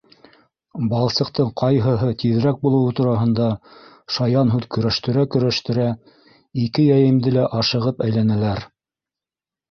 Балсыҡтың ҡайһыһы тиҙерәк булыуы тураһында шаян һүҙ көрәштерә-көрәштерә, ике йәйемде лә ашығып әйләнәләр.